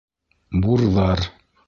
Бурҙар!